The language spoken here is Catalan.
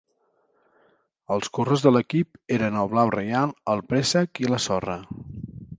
Els colors de l'equip eren el blau reial, el préssec i la sorra.